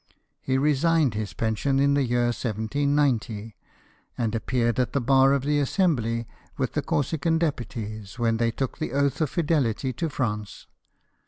He resigned his pension in the year 1790, and appeared at the bar of the Assembly with the Corsican deputies, when they took the oath of fidehty to France.